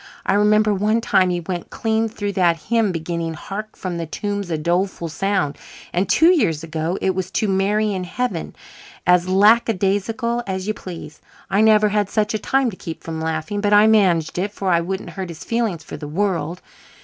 I remember one time he went clean through that hymn beginning, 'Hark from the tombs a doleful sound,' and two years ago it was 'To Mary in Heaven,' as lackadaisical as you please. I never had such a time to keep from laughing, but I managed it, for I wouldn't hurt his feelings for the world.